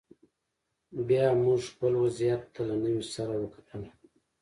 بیا موږ خپل وضعیت ته له نوي سره وکتل